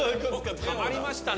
たまりましたね。